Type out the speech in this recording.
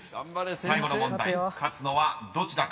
［最後の問題勝つのはどちらか。